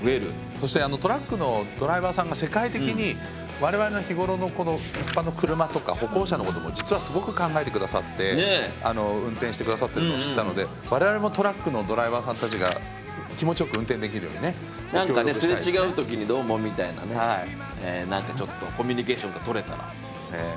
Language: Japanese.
そしてトラックのドライバーさんが世界的に我々の日頃の一般の車とか歩行者のことも実はすごく考えて下さって運転して下さってるのを知ったので我々もトラックのドライバーさんたちが気持ちよく運転できるようにね。何かね擦れ違う時に「どうも」みたいなね何かちょっとコミュニケーションが取れたら。